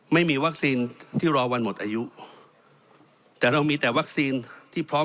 ไม่มีวัคซีนที่รอวันหมดอายุแต่เรามีแต่วัคซีนที่พร้อม